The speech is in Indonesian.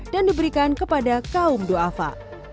dan diberikan kepada kaum do afa